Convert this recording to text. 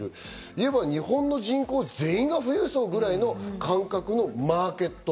日本の人口全員が富裕層ぐらいの感覚のマーケット。